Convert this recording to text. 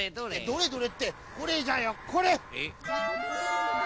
どれどれってこれじゃよこれ。